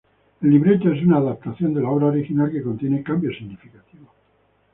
El libreto es una adaptación de la obra original que contiene cambios significativos.